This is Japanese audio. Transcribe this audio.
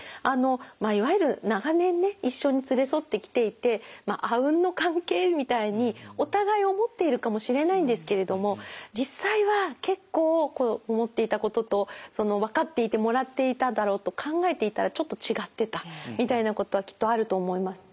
いわゆる長年ね一緒に連れ添ってきていてあうんの関係みたいにお互い思っているかもしれないんですけれども実際は結構思っていたことと分かっていてもらっていただろうと考えていたらちょっと違ってたみたいなことはきっとあると思います。